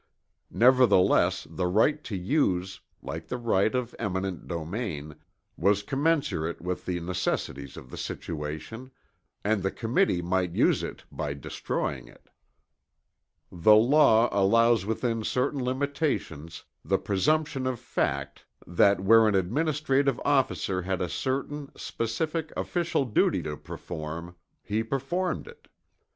Nevertheless the right to use, like the right of eminent domain, was commensurate with the necessities of the situation, and the committee might use it by destroying it. The law allows within certain limitations, the presumption of fact that where an administrative officer had a certain, specific official duty to perform, he performed it.